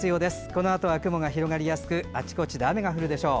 このあとは雲が広がりやすくあちこちで雨が降るでしょう。